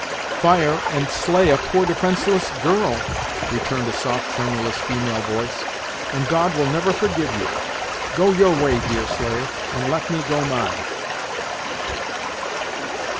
"Fire, and slay a poor defenseless girl," returned a soft tremulous female voice. "And God will never forgive you! Go your way, Deerslayer, and let me go mine."